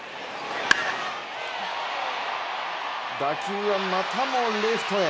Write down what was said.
打球はまたもレフトへ。